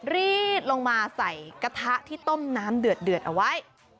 รีดลงมาใส่กระทะที่ต้มน้ำเดือดเอาไว้